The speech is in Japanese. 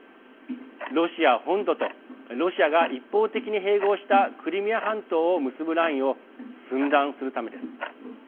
ロシア本土とロシアが一方的に併合したクリミア半島を結ぶラインを寸断するためです。